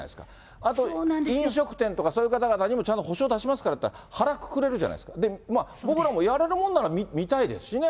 あと飲食店とか、そういう方々にも補償出しますからって言ったら、腹くくれるじゃないですか、僕らもやれるもんなら見たいですしね。